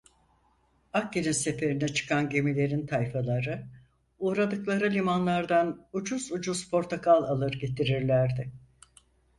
Akdeniz seferine çıkan gemilerin tayfaları uğradıkları limanlardan ucuz ucuz portakal alır getirirlerdi.